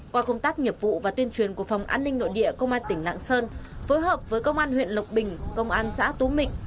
qua công tác nghiệp vụ và tuyên truyền của phòng an ninh nội địa công an tỉnh lạng sơn phối hợp với công an huyện lộc bình công an xã tú mịnh